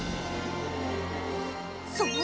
そう。